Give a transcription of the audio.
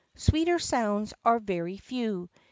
Sweeter sounds are very few.